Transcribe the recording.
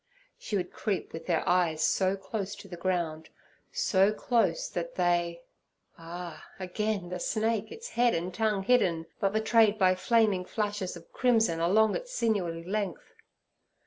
She would creep with her eyes so close to the ground, so close that they—Ah! again the snake, its head and tongue hidden, but betrayed by flaming flashes of crimson along its sinewy length.